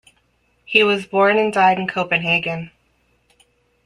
He was born and died in Copenhagen.